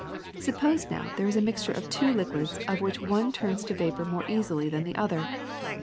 Suppose, now, there is a mixture of two liquids of which one turns to vapor more easily than the other.